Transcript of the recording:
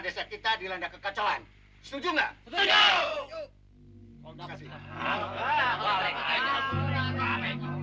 desa kita dilanda kekacauan setuju nggak setuju